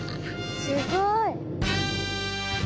すごい。